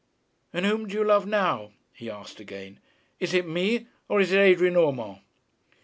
'And whom do you love now?' he asked again. 'Is it me, or is it Adrian Urmand?'